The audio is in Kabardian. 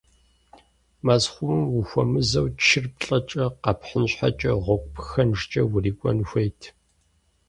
Мэзхъумэм ухуэмызэу чыр плӀэкӀэ къэпхьын щхьэкӀэ гъуэгу пхэнжкӏэ урикӏуэн хуейт.